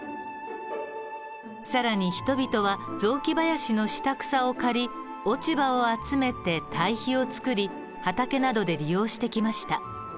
更に人々は雑木林の下草を刈り落ち葉を集めて堆肥を作り畑などで利用してきました。